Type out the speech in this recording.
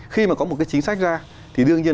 khi mà có một cái chính sách ra thì đương nhiên